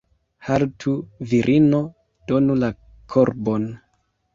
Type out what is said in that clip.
Haltu, virino, donu la korbon!